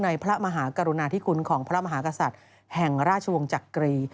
พระมหากรุณาธิคุณของพระมหากษัตริย์แห่งราชวงศ์จักรี